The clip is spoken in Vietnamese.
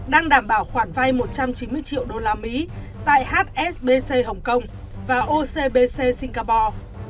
đang đảm bảo khoản vay một trăm chín mươi triệu đô la mỹ tại hsbc hồng kông và ocbc singapore